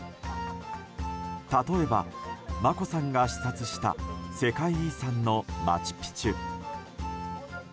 例えば、眞子さんが視察した世界遺産のマチュピチュ。